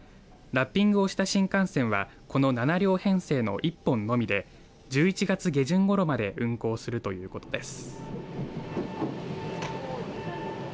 ラッピングをした新幹線はこの７両編成の１本のみで１１月下旬ごろまで運行するということです。